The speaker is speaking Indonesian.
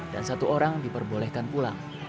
dan satu orang diperbolehkan pulang